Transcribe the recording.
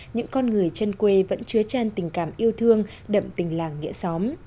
những con người chân quê vẫn chứa tràn tình cảm yêu thương đậm tình làng nghĩa xóm